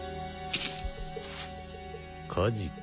火事か。